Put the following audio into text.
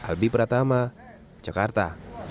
lebih pertama jakarta